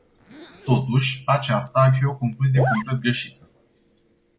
Totuși, aceasta ar fi o concluzie complet greșită.